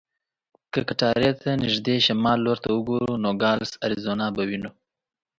که کټارې ته نږدې شمال لور ته وګورو، نوګالس اریزونا به وینو.